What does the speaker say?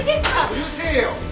うるせえよ！